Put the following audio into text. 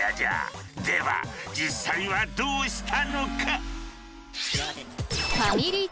では実際はどうしたのか？